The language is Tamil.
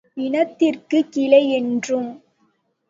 இனத்திற்குக் கிளையென்றும்